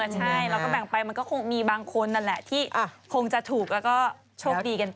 เออใช่เราก็แบ่งไปมันก็มีบางคนที่คงจะถูกแล้วก็โชคดีกันไป